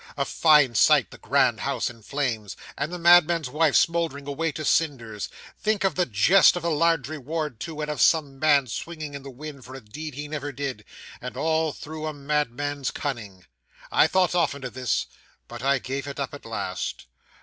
A fine sight, the grand house in flames, and the madman's wife smouldering away to cinders. Think of the jest of a large reward, too, and of some sane man swinging in the wind for a deed he never did, and all through a madman's cunning! I thought often of this, but I gave it up at last.